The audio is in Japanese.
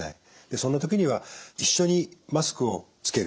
そんな時には一緒にマスクをつける。